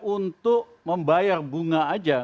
untuk membayar bunga aja